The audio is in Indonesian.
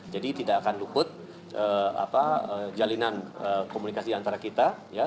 jadi tidak akan luput jalinan komunikasi antara kita